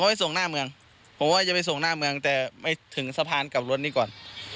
ไปส่งหน้าเมืองผมว่าจะไปส่งหน้าเมืองแต่ไม่ถึงสะพานกลับรถนี้ก่อน